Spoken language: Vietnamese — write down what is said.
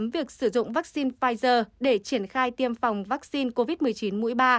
việc sử dụng vaccine pfizer để triển khai tiêm phòng vaccine covid một mươi chín mũi ba